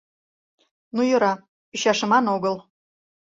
— Ну, йӧра, ӱчашыман огыл.